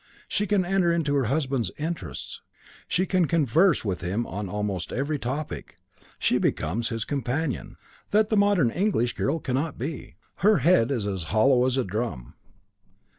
She can enter into her husband's interests, she can converse with him on almost every topic. She becomes his companion. That the modern English girl cannot be. Her head is as hollow as a drum.